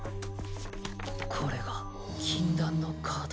これが禁断のカード。